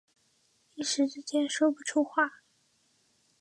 一时之间说不出话